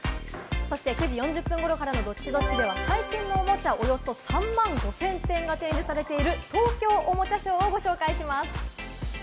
９時４０分頃からのＤｏｔｔｉ‐Ｄｏｔｔｉでは、最新のおもちゃ、およそ３万５０００点が展示されている東京おもちゃショーをご紹介します。